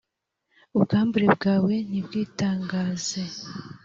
ubwambure bwawe nibwitangaze,